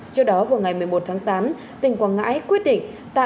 trước đó vào ngày một mươi một tháng tám tỉnh quảng ngãi quyết định